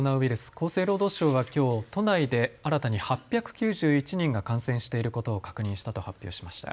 厚生労働省はきょう都内で新たに８９１人が感染していることを確認したと発表しました。